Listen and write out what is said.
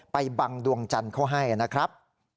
ไปบังดวงจันทร์เขาให้นะครับ